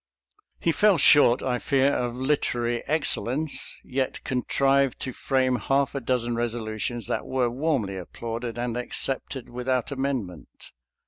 He fell short, I fear, of literary excellence, yet contrived to frame half a dozen resolutions that were warmly applauded and accepted without amendment.